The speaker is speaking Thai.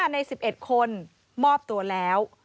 ใน๑๑คนมอบตัวแล้ว